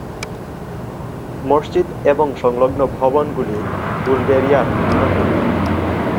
মসজিদ এবং সংলগ্ন ভবনগুলি বুলগেরিয়ার বৃহত্তম।